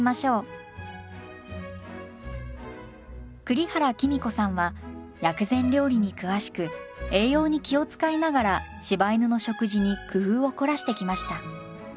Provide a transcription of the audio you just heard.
栗原公子さんは薬膳料理に詳しく栄養に気を遣いながら柴犬の食事に工夫を凝らしてきました。